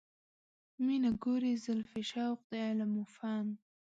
مینه، ګورې زلفې، شوق د علم و فن